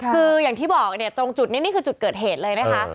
คืออย่างที่บอกเนี่ยตรงจุดนี้นี่คือจุดเกิดเหตุเลยนะคะ